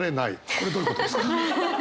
これどういうことですか？